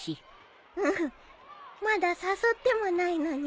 うんまだ誘ってもないのに。